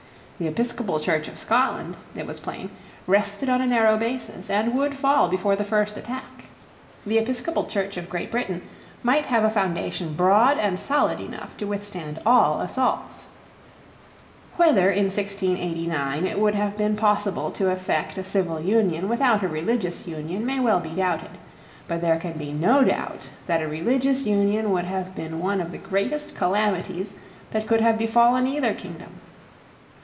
The Episcopal Church of Scotland, it was plain, rested on a narrow basis, and would fall before the first attack. The Episcopal Church of Great Britain might have a foundation broad and solid enough to withstand all assaults. Whether, in 1689, it would have been possible to effect a civil union without a religious union may well be doubted. But there can be no doubt that a religious union would have been one of the greatest calamities that could have befallen either kingdom.